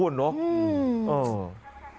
อืม